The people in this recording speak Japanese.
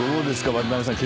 渡辺さん。